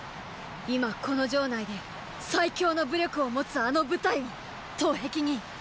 今この城内で最強の武力を持つあの部隊を東壁に。